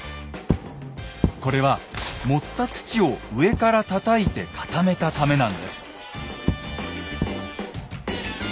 これは盛った土を上からたたいて固めたためなんです。